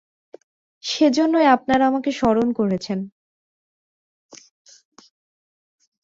সেজন্যই আপনারা আমাকে স্মরণ করেছেন।